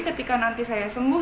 ketika nanti saya sembuh